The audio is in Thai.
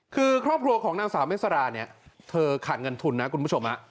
คือครอบครัวของนางสาวเมษราเนี่ยเธอขาดเงินทุนนะคุณผู้ชม